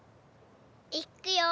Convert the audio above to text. いくよ。